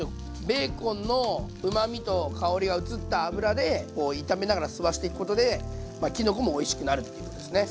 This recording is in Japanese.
ベーコンのうまみと香りが移った油で炒めながら吸わしていくことできのこもおいしくなるっていうことですね。